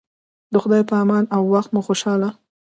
د خدای په امان او وخت مو خوشحاله